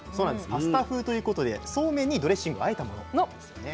パスタ風ということでそうめんにドレッシングをあえたものなんですね。